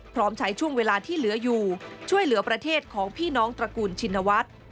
พร้อมใช้ช่วงเวลาที่เหลืออยู่ช่วยเหลือประเทศของพี่น้องตระกูลชินวัฒน์